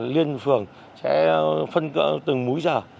liên phường sẽ phân cỡ từng múi giờ